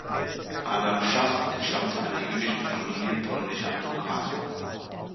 Adam Schaff entstammte einer jüdischen Familie polnischer Advokaten.